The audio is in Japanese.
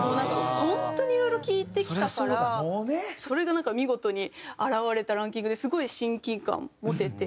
本当にいろいろ聴いてきたからそれがなんか見事に表れたランキングですごい親近感持てて。